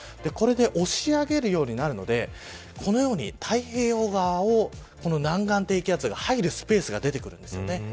これで押し上げるようになるのでこのように太平洋側をこの南岸低気圧が入るスペースが出てくるんです。